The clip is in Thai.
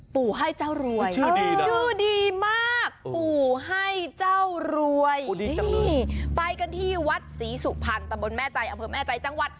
ปู่ให้เจ้ารวยดูดีมากปู่ให้เจ้ารวยนี่ไปกันที่วัดศรีสุพรรณตะบนแม่ใจอำเภอแม่ใจจังหวัด